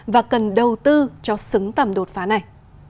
và cần đầu tư cho xứng tầm đột phá này